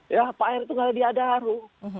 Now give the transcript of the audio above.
ya pak erick itu nggak ada di adaro